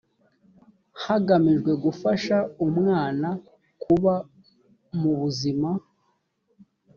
hagamijwe gufasha umwana kuba mu buzima